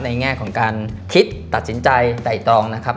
แง่ของการคิดตัดสินใจไต่ตรองนะครับ